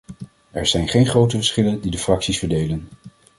Er zijn geen grote verschillen die de fracties verdelen.